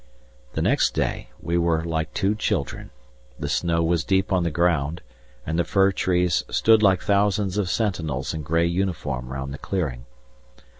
The next day we were like two children. The snow was deep on the ground, and the fir trees stood like thousands of sentinels in grey uniform round the clearing.